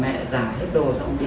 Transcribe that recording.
mẹ giả hết đồ xong đi